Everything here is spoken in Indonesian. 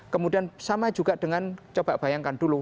kemudian sama juga dengan coba bayangkan dulu